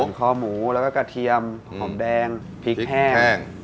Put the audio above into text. คอหมูแล้วก็กระเทียมหอมแดงพริกแห้ง